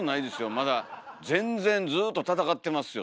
まだ全然ずっと戦ってますよ